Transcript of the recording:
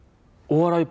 「お笑い」。